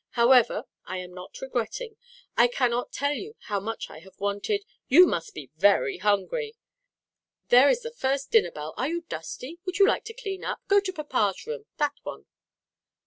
However, I am not regretting. I cannot tell you how much I have wanted " "You must be very hungry. There is the first dinner bell. Are you dusty? Would you like to clean up? Go to papa's room that one.